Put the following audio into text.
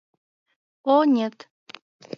О, нет!